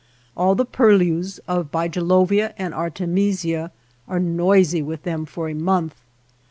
All the purlieus of bigelovia and artemisia are noisy with them for a month.